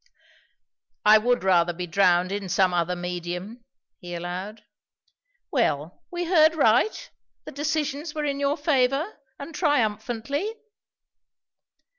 "I would rather be drowned in some other medium," he allowed. "Well, we heard right? The decisions were in your favour, and triumphantly?"